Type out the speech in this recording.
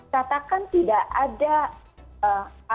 katakan tidak ada alat utama